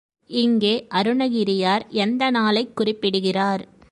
இங்கே அருணகிரியார் எந்த நாளைக் குறிப்பிடுகிறார்?